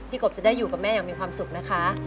กบจะได้อยู่กับแม่อย่างมีความสุขนะคะ